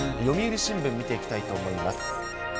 読売新聞、見ていきたいと思います。